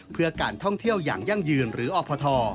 เพื่อการท่องเที่ยวอย่างยั่งยืนหรืออพท